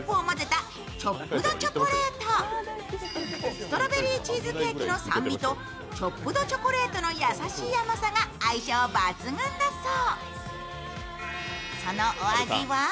ストロベリーチーズケーキの酸味とチョップドチョコレートの甘さが相性抜群だそう。